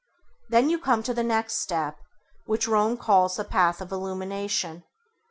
Then you come to the next step which Rome calls the path of Illumination.